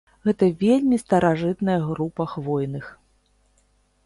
Гэта вельмі старажытная група хвойных.